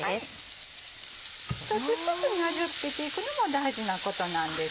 一つ一つに味を付けていくのも大事なことなんです。